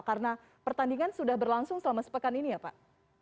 karena pertandingan sudah berlangsung selama sepekan ini ya pak